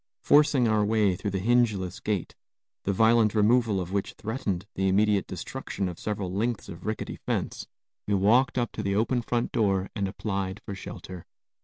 Forcing our way through the hingeless gate, the violent removal of which threatened the immediate destruction of several lengths of rickety fence, we walked up to the open front door and applied for shelter.